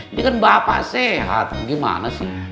ini kan bapak sehat gimana sih